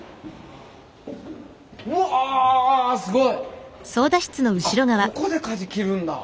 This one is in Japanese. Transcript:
うわすごい！